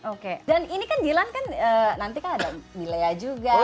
oke dan ini kan dilan nanti kan ada milenya juga